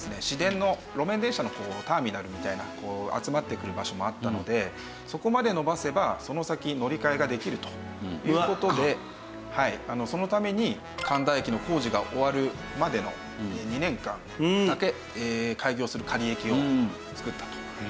市電の路面電車のターミナルみたいなこう集まってくる場所もあったのでそこまで延ばせばその先乗り換えができるという事でそのために神田駅の工事が終わるまでの２年間だけ開業する仮駅をつくったと。